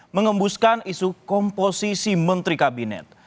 mengembuskan isu komposisi menteri kabinet